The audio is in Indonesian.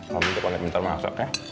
tam nanti rakim ntar masak yah